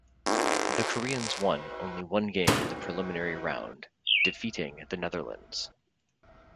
The Koreans won only one game in the preliminary round, defeating the Netherlands.